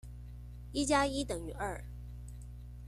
一加一等於二。